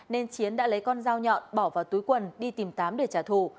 nên chiến đã lấy con dao nhọn bỏ vào túi quần đi tìm tám để trả thù